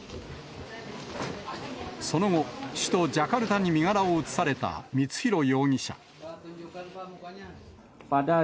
その後、首都ジャカルタに身柄を移された光弘容疑者。